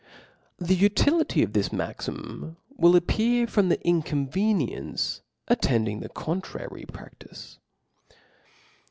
H E utility of this maxim will appear from the inconveniency attending the contrary praftice.